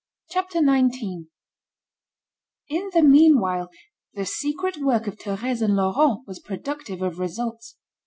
CHAPTER XIX In the meanwhile, the secret work of Thérèse and Laurent was productive of results.